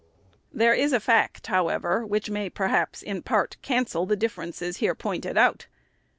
There is a fact, however, which may, perhaps, in part, cancel the differences here pointed out.